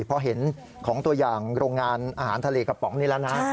พอเห็นของตัวอย่างโรงงานอาหารทะเลกระป๋องนี้แล้วนะ